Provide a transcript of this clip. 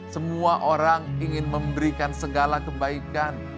semua orang ingin memberikan segala kebaikan